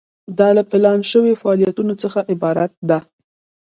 دا له پلان شوو فعالیتونو څخه عبارت ده.